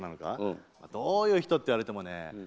どういう人って言われてもね。